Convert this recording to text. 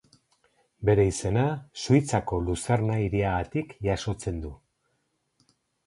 Bere izena Suitzako Luzerna hiriagatik jasotzen du.